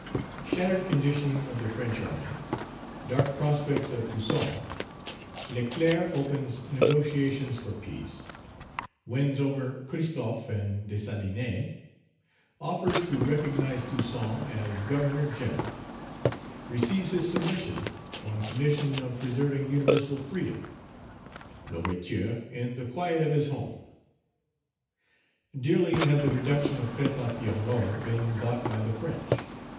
Shattered condition of the French army Dark prospects of Toussaint Leclerc opens negotiations for peace Wins over Christophe and Dessalines Offers to recognize Toussaint as Governor General Receives his submission on condition of preserving universal freedom L'Ouverture in the quiet of his home. DEARLY had the reduction of Crête à Pierrot been bought by the French.